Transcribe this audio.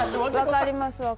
分かります